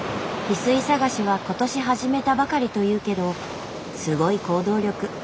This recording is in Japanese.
ヒスイ探しは今年始めたばかりというけどすごい行動力。